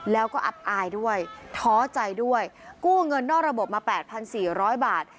แล้วก็อับอายด้วยท้อใจด้วยกู้เงินนอกระบบมาแปดพันสี่ร้อยบาท